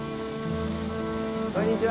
こんにちは